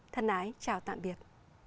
thân ái chào tạm biệt